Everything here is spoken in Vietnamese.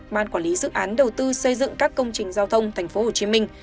ban quản lý dự án đầu tư xây dựng các công trình giao thông tp hcm